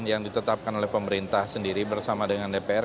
yang ditetapkan oleh pemerintah sendiri bersama dengan dpr